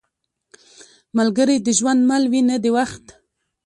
ملګری د ژوند مل وي، نه د وخت.